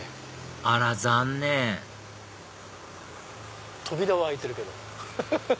あら残念扉は開いてるけどフフフフ。